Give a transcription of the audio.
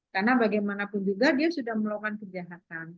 karena bagaimanapun juga dia sudah melakukan kejahatan